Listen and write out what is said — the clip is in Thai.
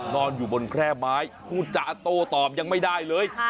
นอนอยู่บนแคร่ไม้พูดจาโต้ตอบยังไม่ได้เลย